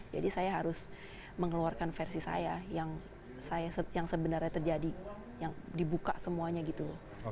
jadi saya harus mengeluarkan versi saya yang sebenarnya terjadi yang dibuka semuanya gitu